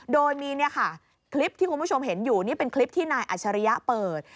โดยมีเนี่ยค่ะคลิปที่คุณผู้ชมเห็นอยู่นี่เป็นคลิปที่นายอัชริยะเปิด